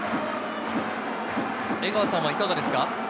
江川さんはいかがですか？